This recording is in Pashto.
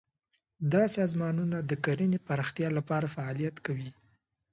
دا سازمانونه د کرنې پراختیا لپاره فعالیت کوي.